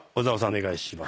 お願いします。